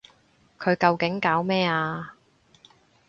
佢究竟搞咩啊？